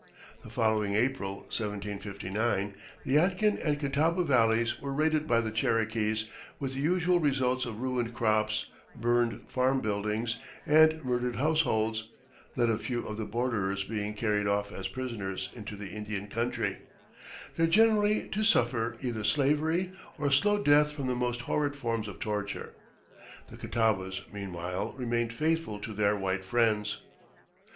The following April (1759) the Yadkin and Catawba Valleys were raided by the Cherokees, with the usual results of ruined crops, burned farm buildings, and murdered households; not a few of the borderers being carried off as prisoners into the Indian country, there generally to suffer either slavery or slow death from the most horrid forms of torture. The Catawbas, meanwhile, remained faithful to their white friends.